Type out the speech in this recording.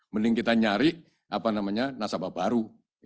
mending kita nyari nasabah baru